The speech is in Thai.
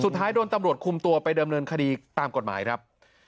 สุดท้ายโดนตำรวจคลุมตัวไปเดิมเรินคดีตามกฎหมายครับ